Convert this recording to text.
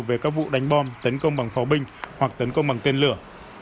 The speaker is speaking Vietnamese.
về các vụ đánh bom tấn công bằng pháo binh hoặc tấn công bằng tên lửa